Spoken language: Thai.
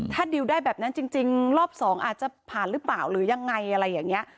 ถ้าดิวได้แบบนั้นจริงรอบสองอาจจะผ่านหรือเปล่าหรือยังไงอะไรอย่างนี้